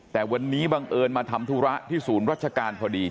แต่วันนี้บังเอิญมาทำธุระที่ศูนย์รัชการพอดี